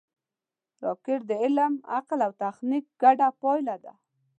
راکټ د علم، عقل او تخنیک ګډه پایله ده